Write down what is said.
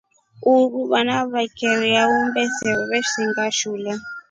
Uruu vaana vikiringa uumbe sefo veshinda shule.